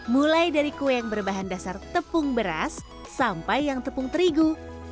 mulai dari kue yang berbahan dasar tepung beras sampai yang tepung terigu